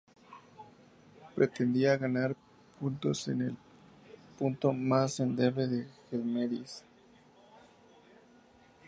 Pretendía ganar puntos en el punto más endeble de Gelmírez.